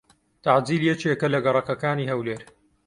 تەعجیل یەکێکە لە گەڕەکەکانی هەولێر.